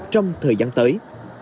trong thời gian tới